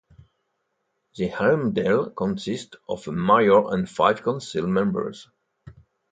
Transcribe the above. The Elmdale consists of a mayor and five council members.